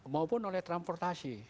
maupun oleh transportasi